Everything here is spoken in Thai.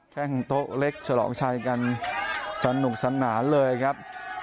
แค่งโต๊ะเล็กฉลองชัยกันสนุกสนานเลยครับ